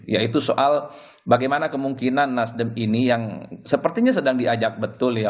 yaitu soal bagaimana kemungkinan nasdem ini yang sepertinya sedang diajak betul ya